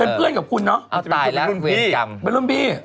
เป็นเพื่อนกับคุณเนอะเป็นรุ่นพี่